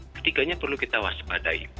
ketiganya perlu kita waspadai